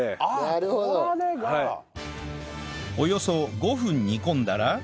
およそ５分煮込んだら